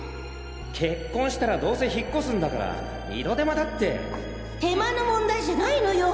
結婚したらどうせ引っ越すんだから二度手間だって手間の問題じゃないのよ！